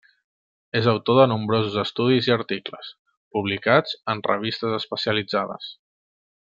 És autor de nombrosos estudis i articles, publicats en revistes especialitzades.